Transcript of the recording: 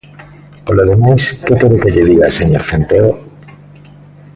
Polo demais, ¿que quere que lle diga, señor Centeo?